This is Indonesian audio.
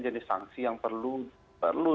jenis sanksi yang perlu